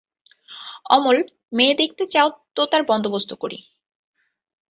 অমল, মেয়ে দেখতে চাও তো তার বন্দোবস্ত করি।